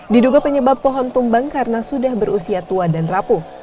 diduga penyebab pohon tumbang karena sudah berusia tua dan rapuh